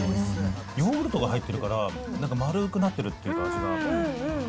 ヨーグルトが入ってるから、なんか丸くなってるって感じが。